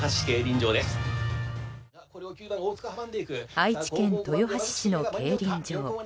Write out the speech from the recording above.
愛知県豊橋市の競輪場。